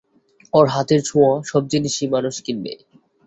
ওর হাতে ছোঁয়া সব জিনিসই মানুষ কিনবে।